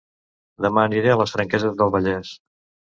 Dema aniré a Les Franqueses del Vallès